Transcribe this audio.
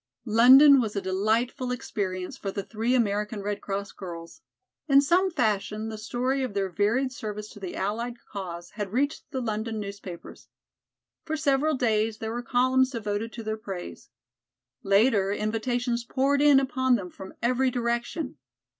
London was a delightful experience for the three American Red Cross girls. In some fashion the story of their varied service to the Allied cause had reached the London newspapers. For several days there were columns devoted to their praise. Later, invitations poured in upon them from every direction.